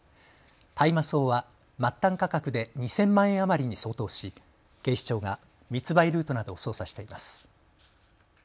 大麻草は末端価格で２０００万円余りに相当し警視庁が密売ルートなどを捜査しています。